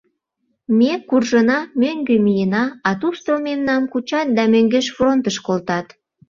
Ме куржына, мӧҥгӧ миена, а тушто мемнам кучат да мӧҥгеш фронтыш колтат.